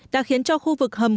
đã khiến cho khu vực hầm